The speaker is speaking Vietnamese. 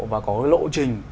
và có lộ trình